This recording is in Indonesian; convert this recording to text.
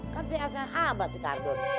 kan si asan apa si kardut